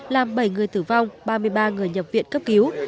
làm bảy người tử vong ba mươi ba người nhập viện cấp cứu